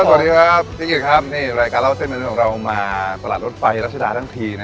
สวัสดีครับนี่รายการเล่าเส้นไม่ลนนุ่งของเรามาตลาดรสไฟรรชดาตั้งทีนะ